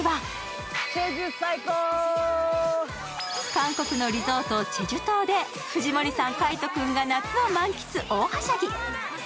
韓国のリゾートチェジュ島で藤森さん、海音君が夏を満喫大はしゃぎ。